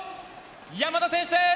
山田選手です。